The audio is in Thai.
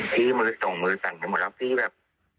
พี่มือส่งมือสั่นมาหมดแล้วพี่แบบ